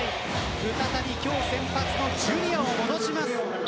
再び今日先発のジュリアを戻します。